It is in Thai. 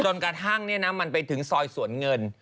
กระทั่งมันไปถึงซอยสวนเงิน